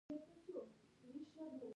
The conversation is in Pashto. د دایکنډي بادام ډیر کیفیت لري.